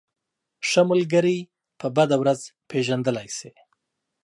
ښه ملگری په بده ورځ پېژندلی شې.